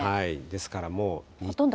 ですからもう。